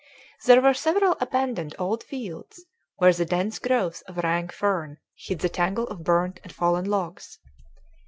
There were several abandoned old fields, where the dense growth of rank fern hid the tangle of burnt and fallen logs.